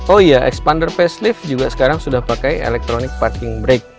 oh iya xpander facelift juga sekarang sudah pakai electronic parking brake